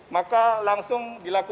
maka langsung dilakukan